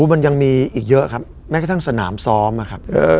มันยังมีอีกเยอะครับแม้กระทั่งสนามซ้อมนะครับ